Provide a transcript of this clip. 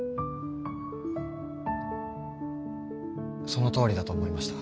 そのとおりだと思いました。